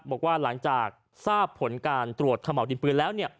บอกว่าหลังจากทราบผลการตรวจขม่าวดินปืนแล้ว